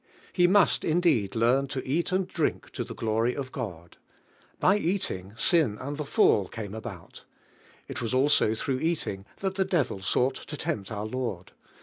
He must indeed learn to eat and drink to the glory of God. By eating, sin and the fall came about, ft was also through eat ing that the devil sought to tempt our I. onl.